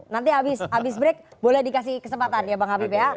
nanti habis break boleh dikasih kesempatan ya bang habib ya